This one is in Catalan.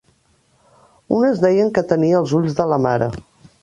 Unes deien que tenia els ulls de la mare